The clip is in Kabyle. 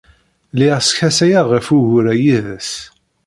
Lliɣ skasayeɣ ɣef wugur-a yid-s.